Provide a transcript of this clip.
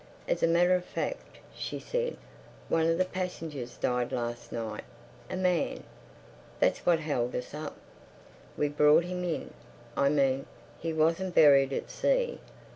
As a matter of fact," she said, "one of the passengers died last night—a man. That's what held us up. We brought him in—I mean, he wasn't buried at sea.